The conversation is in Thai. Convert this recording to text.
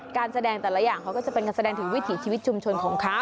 การแสดงแต่ละอย่างเขาก็จะเป็นการแสดงถึงวิถีชีวิตชุมชนของเขา